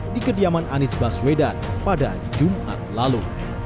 di kediaman anies baswedan pada jumat lalu